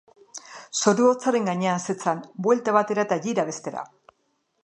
Zoru hotzaren gainean zetzan, buelta batera eta jira bestera.